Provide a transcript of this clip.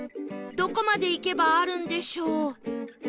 どこまで行けばあるんでしょう？